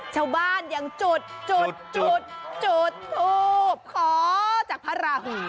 ชาวบ้านยังจุดทูปขอจากภรราหู